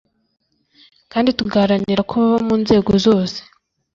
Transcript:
kandi tugaharanira ko baba mu nzego zose